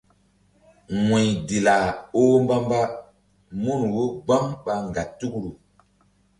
Wu̧y Dila oh mbamba mun wo gbam ɓa ŋgatukru.